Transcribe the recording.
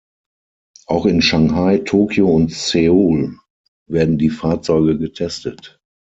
Auch in Shanghai, Tokio und Seoul werden die Fahrzeuge getestet.